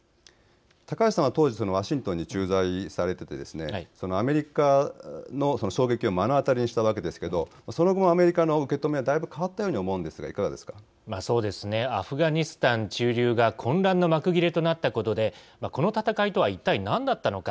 高橋さんは当時ワシントンに駐在されててアメリカの衝撃を目の当りにしたわけですけどその後、アメリカの受け止めもだいぶ変わったように思いますがアフガニスタン駐留が大きな混乱の中で幕切れとなったことでこの戦いとはいったい何だったのか。